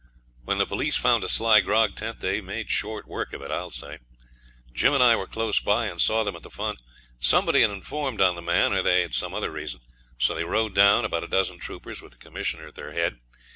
When the police found a sly grog tent they made short work of it, I will say. Jim and I were close by, and saw them at the fun. Somebody had informed on the man, or they had some other reason; so they rode down, about a dozen troopers, with the Commissioner at their head.